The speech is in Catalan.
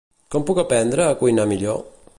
Com puc aprendre a cuinar millor?